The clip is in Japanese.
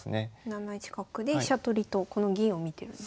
７一角で飛車取りとこの銀を見てるんですね。